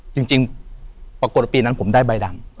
จริงปรากฏว่าปีนั้นผมได้ใบดำ